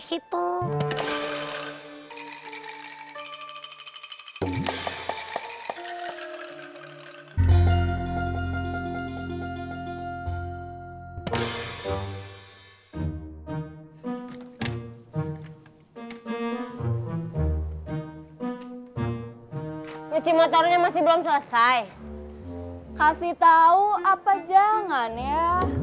hai mencoba cuci motornya masih belum selesai kasih tahu apa jangan ya